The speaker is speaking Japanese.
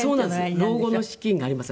『老後の資金がありません』。